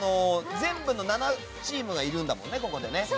全部の７チームがいるんだもんね。